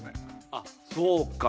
あそうか。